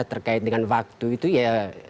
terkait dengan waktu itu ya